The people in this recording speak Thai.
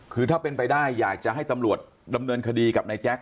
คือถ้าเป็นไปได้อยากจะให้ตำรวจดำเนินคดีกับนายแจ๊ค